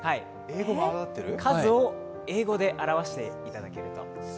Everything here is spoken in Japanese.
数を英語で表していただければ。